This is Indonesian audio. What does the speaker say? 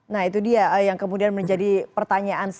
nah itu dia yang kemudian menjadi pertanyaan